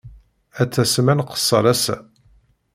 Ad tasem ad nqeṣṣer ass-a?